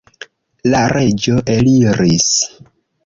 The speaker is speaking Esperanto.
La reĝo eliris.